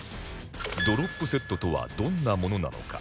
ドロップセットとはどんなものなのか？